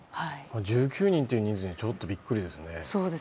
１９人という人数にちょっとビックリですね。